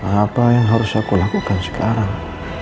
apa yang harus aku lakukan sekarang